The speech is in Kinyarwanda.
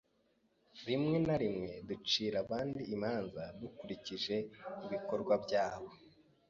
Rimwe na rimwe ducira abandi imanza dukurikije ibikorwa byabo.